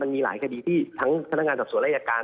มีหลายคดีที่ทั้งพนักงานสอบส่วนอายการ